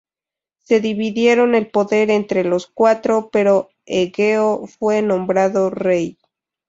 Se dividieron el poder entre los cuatro, pero Egeo fue nombrado rey.